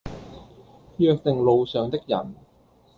約定路上的人，